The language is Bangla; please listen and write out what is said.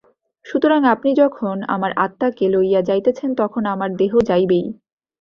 সুতরাং আপনি যখন আমার আত্মাকে লইয়া যাইতেছেন, তখন আমার দেহ যাইবেই।